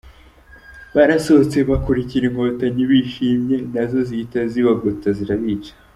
Barasohotse bakurikira inkotanyi bishimye, nazo zihita zibagota zirabica.